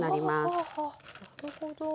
はなるほど。